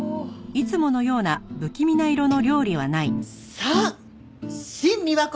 さあシン美和子